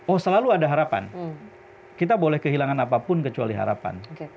oh selalu ada harapan kita boleh kehilangan apapun kecuali harapan